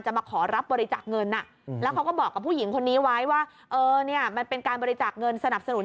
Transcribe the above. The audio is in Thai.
จะมาขอรับบริจาคเงิน